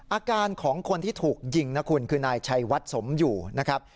อาการของคนที่ถูกยิงนะคุณคือนายชัยวัดสมอยู่นะครับ